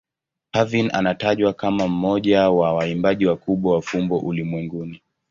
Parveen anatajwa kama mmoja wa waimbaji wakubwa wa fumbo ulimwenguni.